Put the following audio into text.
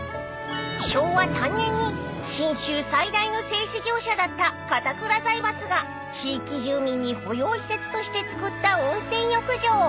［昭和３年に信州最大の製糸業者だった片倉財閥が地域住民に保養施設として造った温泉浴場］